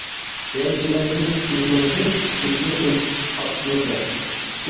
رەنجىمەيمىز سىزنىڭدىن، بىزنى ئۇنتۇپ قاپتۇ دەپ.